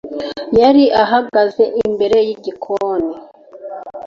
yari ahagaze imbere y igikoni.